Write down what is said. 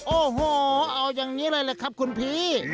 โอ้โหเอาอย่างนี้เลยแหละครับคุณพี่